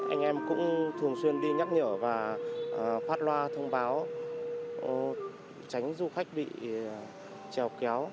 anh em cũng thường xuyên đi nhắc nhở và phát loa thông báo tránh du khách bị trèo kéo